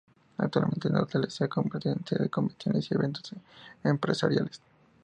Actualmente el hotel se ha convertido en sede de convenciones y eventos empresariales.